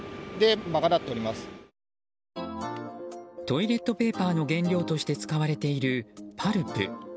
トイレットペーパーの原料として使われているパルプ。